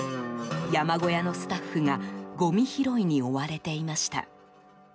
山小屋のスタッフがごみ拾いに追われていました。